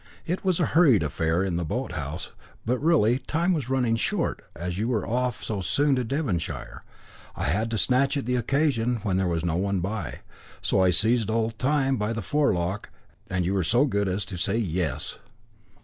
It was a hurried affair in the boat house, but really, time was running short; as you were off so soon to Devonshire, I had to snatch at the occasion when there was no one by, so I seized old Time by the forelock, and you were so good as to say 'Yes.'"